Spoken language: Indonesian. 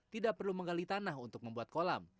tidak perlu menggali tanah untuk membuat kolam